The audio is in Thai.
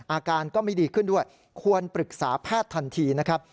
อาการก็ไม่ดีขึ้นด้วยควรปรึกษาแพทย์ทันทีนะครับ